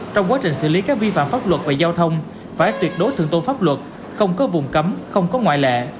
trong quá trình xử lý các vi phạm pháp luật về giao thông phải tuyệt đối thượng tôn pháp luật không có vùng cấm không có ngoại lệ